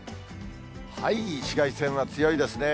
紫外線は強いですね。